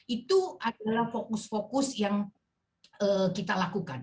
itu adalah fokus fokus yang kita lakukan